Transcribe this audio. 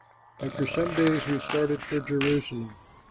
After some days we started for Jerusalem.